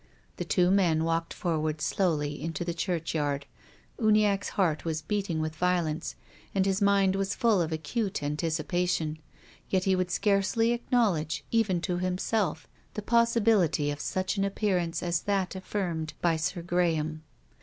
The two men Avalkcd forward slowly into the churchyard. Uniacke's heart was beating with violence and his mind was full of acute anticipa tion. Yet he would scarcely acknowledge even to himself the possibility of such an appearance as that affirmed by Sir Graham.